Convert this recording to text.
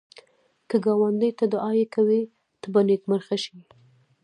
که ګاونډي ته دعایې کوې، ته به نېکمرغه شې